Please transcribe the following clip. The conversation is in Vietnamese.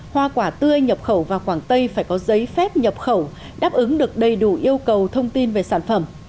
hoa quả tươi nhập khẩu vào quảng tây phải có giấy phép nhập khẩu đáp ứng được đầy đủ yêu cầu thông tin về sản phẩm